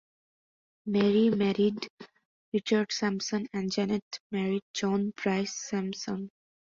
Mary married Richard Sampson and Janette married John Price Sampson.